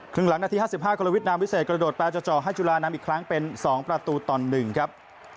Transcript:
ครึ่งหลังนาที๕๕กรวิทนามวิเศษกระโดดแปลจะเจาะให้จุฬานำอีกครั้งเป็น๒ประตูต่อ๑ครับ